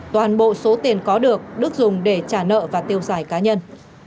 toàn bộ số tiền có được đức dùng để trả nợ và tiêu xài cá nhân